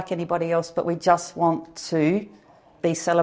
kepada orang orang yang ada di sini